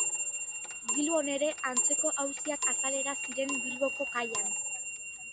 Bilbon ere antzeko auziak azalera ziren Bilboko kaian.